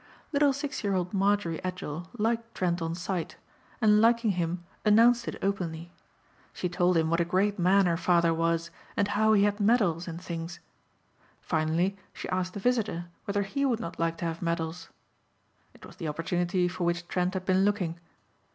Little six year old Marjorie Edgell liked Trent on sight and liking him announced it openly. She told him what a great man her father was and how he had medals and things. Finally she asked the visitor whether he would not like to have medals. It was the opportunity for which Trent had been looking.